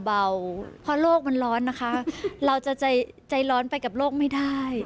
เพราะโลกมันร้อนนะคะเราจะใจใจร้อนไปกับโลกไม่ได้